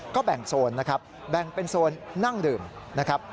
ก็แบ่งโซนนะครับแบ่งเป็นโซนนั่งดื่มนะครับ